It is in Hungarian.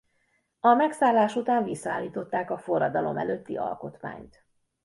A megszállás után visszaállították a forradalom előtti alkotmányt.